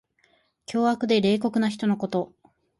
凶悪で冷酷な人のこと。